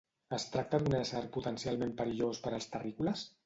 Es tracta d'un ésser potencialment perillós per als terrícoles?